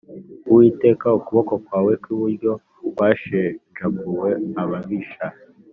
uwiteka, ukuboko kwawe kw’iburyo kwashenjaguye ababisha.